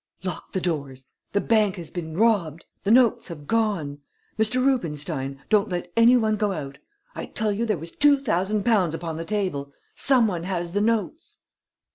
"Lock the doors! The bank has been robbed! The notes have gone! Mr. Rubenstein, don't let any one go out! I tell you there was two thousand pounds upon the table. Some one has the notes!"